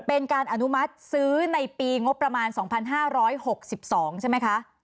เป็นการอนุมัติซื้อในปีงบประมาณ๒๕๖๒ใช่ไหมคะ